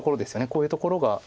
こういうところが。